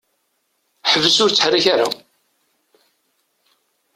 Ḥbes ur ttḥerrik ara!